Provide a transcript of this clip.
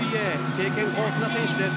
経験豊富な選手です。